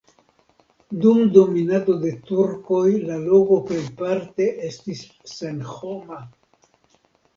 Dum dominado de turkoj la loko plejparte estis senhoma.